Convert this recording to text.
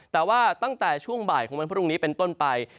แต่ว่าตั้งแต่ช่วงบ่ายของวันพรุ่งนี้เป็นต้นไป